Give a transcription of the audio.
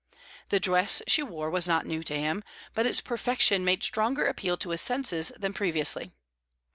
The dress she wore was not new to him, but its perfection made stronger appeal to his senses than previously.